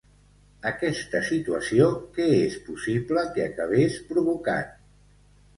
Aquesta situació, què és possible que acabés provocant?